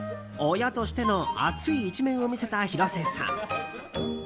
親としての熱い一面を見せた広末さん。